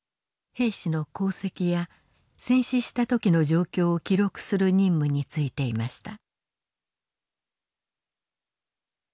兵士の功績や戦死した時の状況を記録する任務に就いていました。